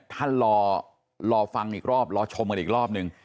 ท่านลอลอฟังอีกรอบลอชมอีกรอบหนึ่ง